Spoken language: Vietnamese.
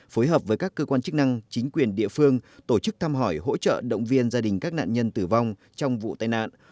phối hợp với các cơ quan chức năng chính quyền địa phương tổ chức thăm hỏi hỗ trợ động viên gia đình các nạn nhân tử vong trong vụ tai nạn